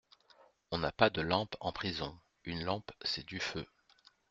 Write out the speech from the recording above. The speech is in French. On n'a pas de lampe en prison ; une lampe c'est du feu.